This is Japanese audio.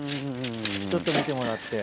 ちょっと見てもらって。